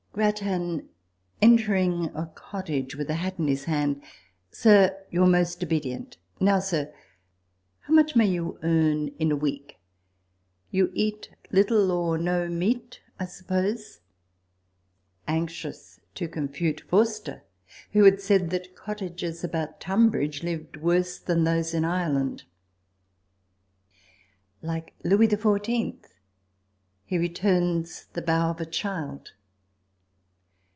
Grattan entering a cottage with his hat in his hand. "Sir, your most obedient Now, sir, how much may you earn in a week ? You eat little or no meat, I suppose." Anxious to confute Forster, who had said that the cottagers about Tunbridge lived worse than those of Ireland. TABLE TALK OF SAMUEL ROGERS 133 Like Louis XIV., he returns the bow of a child.